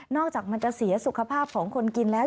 จากมันจะเสียสุขภาพของคนกินแล้ว